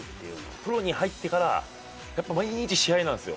プロに入ってから毎日試合なんですよ。